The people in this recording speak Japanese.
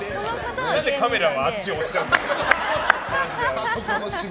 何で、カメラがあっちを追っちゃうんですか。